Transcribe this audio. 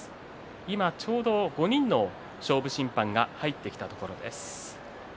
今ちょうど５人の勝負審判が入ってきたところです。